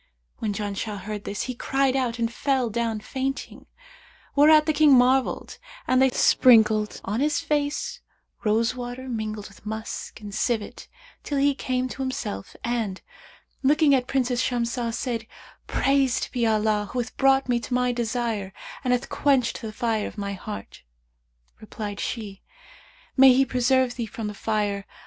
When Janshah heard this, he cried out and fell down fainting, whereat the King marvelled and they sprinkled on his face rose water mingled with musk and civet, till he came to himself and, looking at Princess Shamsah, said, 'Praised be Allah who hath brought me to my desire and hath quenched the fire of my heart!' Replied she, 'May He preserve thee from the Fire!